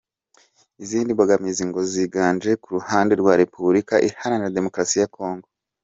Izi mbogamizi ngo ziganje ku ruhande rwa Repubulika Iharanira Demokarasi ya Congo.